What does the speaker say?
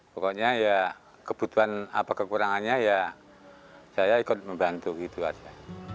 pokoknya ya kebutuhan apa kekurangannya ya saya ikut membantu gitu aja